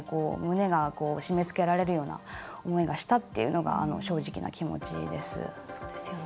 胸が締めつけられるような思いがしたっていうのが正直な気持ちです。